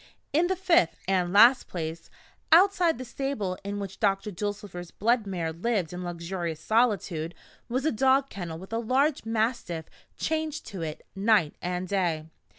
In the fifth and last place, outside the stable in which Doctor Dulcifer's blood mare lived in luxurious solitude, was a dog kennel with a large mastiff chained to it night and day.